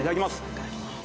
いただきます。